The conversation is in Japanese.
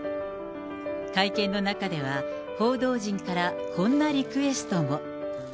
会見の中では、報道陣からこんなリクエストも。